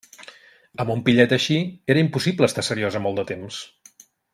Amb un pillet així era impossible estar seriosa molt de temps!